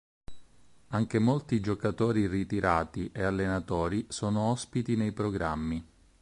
Anche molti giocatori ritirati e allenatori sono ospiti nei programmi